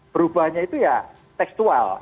berubahnya itu ya tekstual